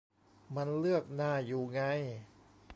มันเลือกหน้าอยู่ไง